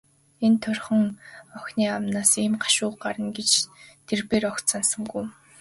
Энэ турьхан охины амнаас ийм гашуун үг гарна гэж тэр бээр огт санасангүй.